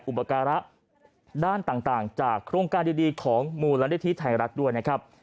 อุปการะด้านต่างจากโครงการดีของมูลนิธิไทยรัฐด้วยนะครับ